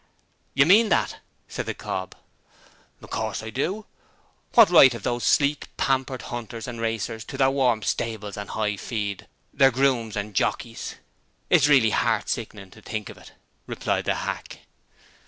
'You MEAN that?' said the cob. 'Of course I do. What right have those sleek, pampered hunters and racers to their warm stables and high feed, their grooms and jockeys? It is really heart sickening to think of it,' replied the hack.